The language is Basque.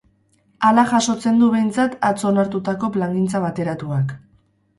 Hala jasotzen du behintzat atzo onartutako plangintza bateratuak.